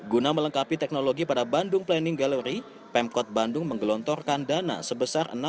guna melengkapi teknologi pada bandung planning gallery pemkot bandung menggelontorkan dana sebesar